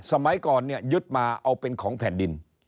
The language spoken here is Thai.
สมัยก่อนเนี่ยยึดมาเอาเป็นของแผ่นดิน